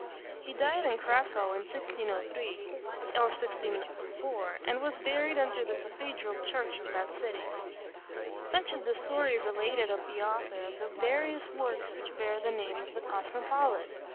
He died in Cracow, in 1603 or 1604, and was buried under the cathedral church of that city. Such is the story related of the author of the various works which bear the name of the Cosmopolite.